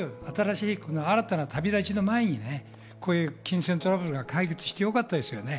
しかしともかく新たな旅立ちの前に金銭トラブルが解決してよかったですよね。